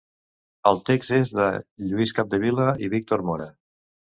El text és de Lluís Capdevila i Víctor Mora.